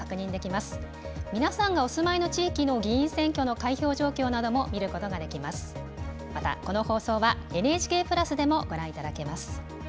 また、この放送はＮＨＫプラスでもご覧いただけます。